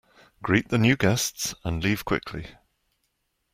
Greet the new guests and leave quickly.